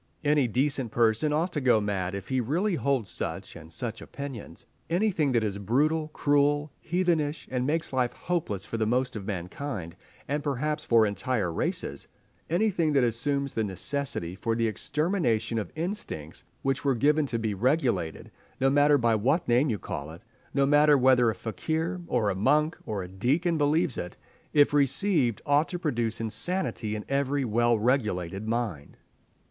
Any decent person ought to go mad if he really holds such and such opinions…. Anything that is brutal, cruel, heathenish, that makes life hopeless for the most of mankind, and perhaps for entire races—anything that assumes the necessity for the extermination of instincts which were given to be regulated—no matter by what name you call it—no matter whether a fakir, or a monk, or a deacon believes it—if received, ought to produce insanity in every well regulated mind."